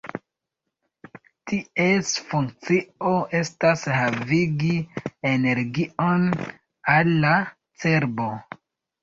Ties funkcio estas havigi energion al la cerbo.